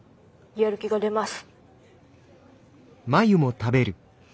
やる気出ます！